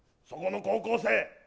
そこの高校生！